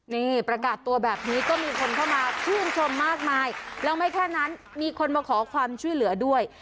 นี่ประกาศตัวแบบนี้ก็มีคนเข้ามาชื่นชมมากมายแล้วไม่แค่นั้นมีคนมาขอความช่วยเหลือด้วย